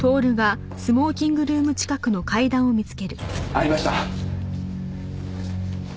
ありました。